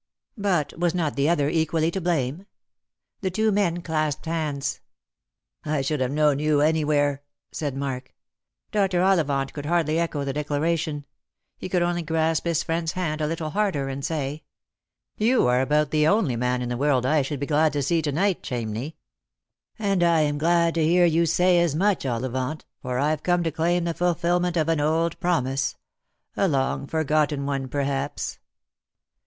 But was not the other equally to blame? The two men clasped nands. " I should have known you anywhere," said Mark. Dr. Ollivant could hardly echo the declaration. He coxxld only grasv his friend's hand a little harder, and say, ^ 10 Lost for Love. " You are about the only man in the world I should be glad to see to night, Chamney." " And I am glad to hear you say as much, Ollivant, for I've come to claim the fulfilment of an old promise — a long forgotten one, perhaps."